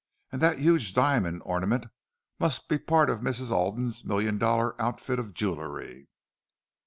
And that huge diamond ornament must be part of Mrs. Alden's million dollar outfit of jewellery!